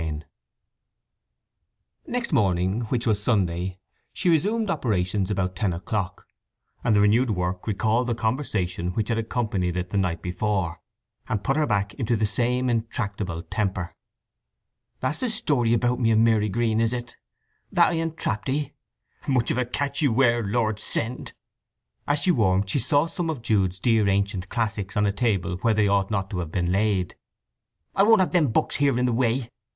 XI Next morning, which was Sunday, she resumed operations about ten o'clock; and the renewed work recalled the conversation which had accompanied it the night before, and put her back into the same intractable temper. "That's the story about me in Marygreen, is it—that I entrapped 'ee? Much of a catch you were, Lord send!" As she warmed she saw some of Jude's dear ancient classics on a table where they ought not to have been laid. "I won't have them books here in the way!"